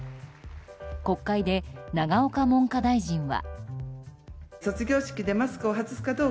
国会で永岡文科大臣は。